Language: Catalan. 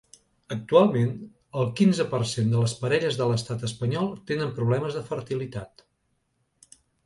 Actualment, el quinze per cent de les parelles de l’estat espanyol tenen problemes de fertilitat.